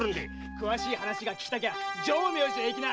詳しい話が聞きたきゃ浄明寺へ行きな。